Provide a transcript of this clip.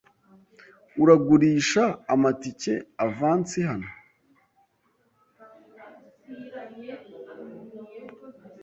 Uragurisha amatike avansi hano?